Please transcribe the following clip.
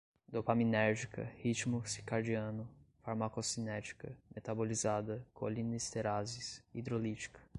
dopaminérgica, ritmo circadiano, farmacocinética, metabolizada, colinesterases, hidrolítica